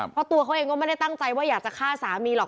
เพราะตัวเขาเองก็ไม่ได้ตั้งใจว่าอยากจะฆ่าสามีหรอก